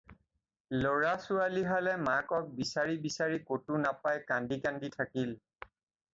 ল'ৰা-ছোৱালীহালে মাকক বিচাৰি বিচাৰি ক'তো নাপাই কান্দি-কাটি থাকিল।